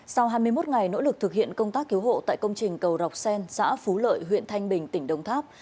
sau hai mươi một ngày nỗ lực thực hiện công tác cứu hộ tại công trình cầu rọc sen xã phú lợi huyện thanh bình tỉnh đông tháp